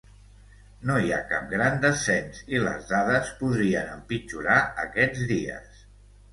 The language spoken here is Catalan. No hi ha cap gran descens, i les dades podrien empitjorar aquests dies.